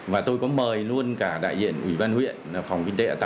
và tôi có mời luôn cả đại diện ủy ban huyện